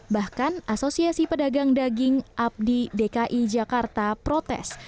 bahkan asosiasi pedagang daging abdi dki jakarta protes